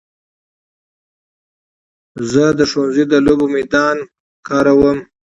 زه د ښوونځي د لوبو میدان کاروم.